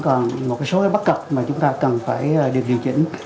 còn một số bất cập mà chúng ta cần phải được điều chỉnh